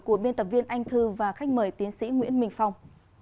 của biên tập viên anh thư và khách mời tiến sĩ nguyễn minh phong